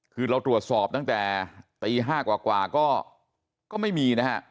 คือเราตรวจสอบตั้งแต่ตี๕กว่าก็ไม่มีนะฮะ